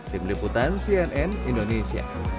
tim liputan cnn indonesia